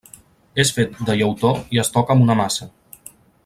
És fet de llautó i es toca amb una maça.